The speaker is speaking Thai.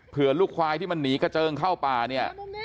ลูกควายที่มันหนีกระเจิงเข้าป่าเนี่ย